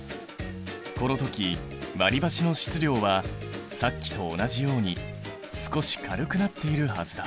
この時割りばしの質量はさっきと同じように少し軽くなっているはずだ。